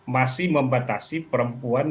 masih membatasi perempuan